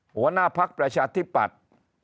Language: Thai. หัวหน้าพักประชาธิปัตย์